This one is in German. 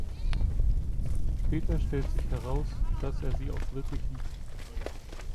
Später stellt sich heraus, dass er sie auch wirklich liebt.